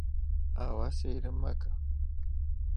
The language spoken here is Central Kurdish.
ئاوا سەیرم مەکە!